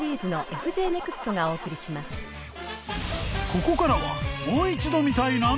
［ここからは］